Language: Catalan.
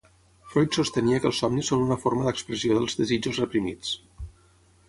Freud sostenia que els somnis són una forma d'expressió dels desitjos reprimits